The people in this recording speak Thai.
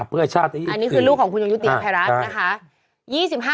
เพื่อชาติอันนี้คือลูกของคุณยงยุติภัยรัฐนะคะ